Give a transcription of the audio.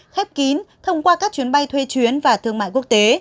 khép kín thông qua các chuyến bay thuê chuyến và thương mại quốc tế